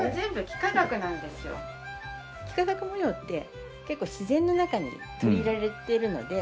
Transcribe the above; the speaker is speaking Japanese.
幾何学模様って結構自然の中に取り入れられてるので。